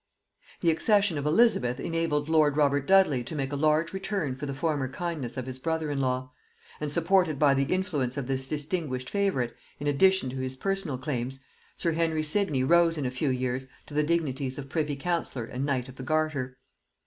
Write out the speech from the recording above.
The accession of Elizabeth enabled lord Robert Dudley to make a large return for the former kindness of his brother in law; and supported by the influence of this distinguished favorite, in addition to his personal claims, sir Henry Sidney rose in a few years to the dignities of privy councillor and knight of the garter.